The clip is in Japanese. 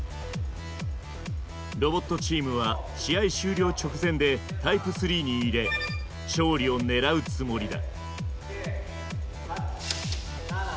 ロボットチームは試合終了直前でタイプ３に入れ勝利を狙うつもりだ。